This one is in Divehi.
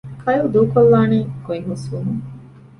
ކައިލް ދޫކޮށްލާނީ ގޮތް ހުސްވުމުން